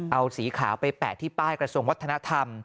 เอาสีขาวไปแปะที่ป้ายกระทรวงวัฒนธรรม